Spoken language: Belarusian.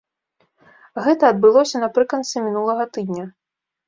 Гэта адбылося напрыканцы мінулага тыдня.